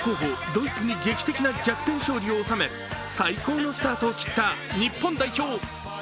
・ドイツに劇的な逆転勝利を収め最高のスタートを切った日本代表。